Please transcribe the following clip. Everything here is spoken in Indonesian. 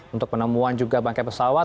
untuk penemuan juga bangkai pesawat